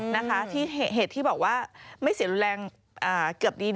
นะคะที่เหตุที่บอกว่าไม่เสียรุนแรงเกือบดี